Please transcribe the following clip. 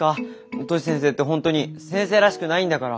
トシ先生って本当に先生らしくないんだから。